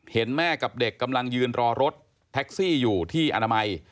เห็นแม่กับเด็กกำลังยืนรอรถแท็กซี่อยู่ที่อนามัย